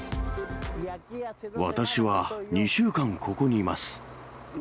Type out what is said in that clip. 私は２週間ここにいます。